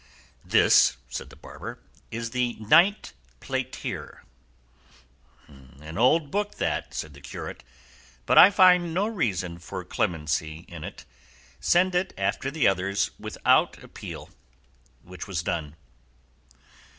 "This," said the barber, "is The Knight Platir.'" "An old book that," said the curate, "but I find no reason for clemency in it; send it after the others without appeal;" which was done.